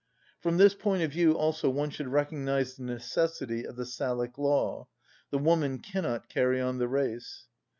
From this point of view, also, one should recognise the necessity of the Salic law: the woman cannot carry on the race.